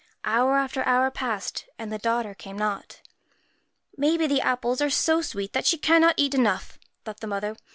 Hour after hour passed, and her daughter came not. 4 Maybe the apples are so sweet that she cannot eat enough,' thought the mother.